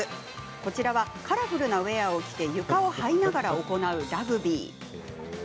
こちらはカラフルなウエアを着て床をはいながら行うラグビー。